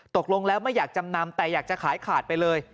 ตกลงแล้วไม่อยากจำนำแต่อยากจะขายขาดไปเลย